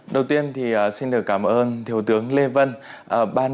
đầu tiên thì xin được cảm ơn thiếu tướng lê vân